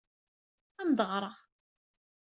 Ad am-d-ɣreɣ.